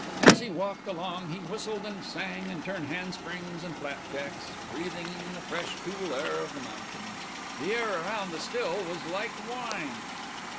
As he walked along he whistled and sang and turned handsprings and flapjacks, breathing in the fresh, cool air of the mountains. The air around the still was like wine.